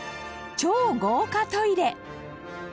超豪華トイレ」